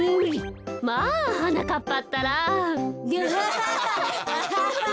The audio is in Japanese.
まあはなかっぱったら。